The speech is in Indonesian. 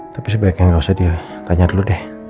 tapi sebaiknya gak usah dia tanya dulu deh